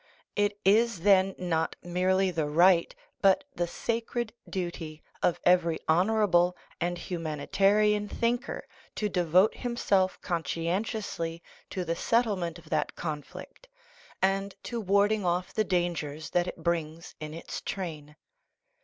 It is, then, not merely the right, but the sacred duty, of every honorable and humani tarian thinker to devote himself conscientiously to the settlement of that conflict, and to warding off the dan gers that it brings in its train.